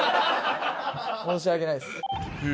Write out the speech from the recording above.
申し訳ないです。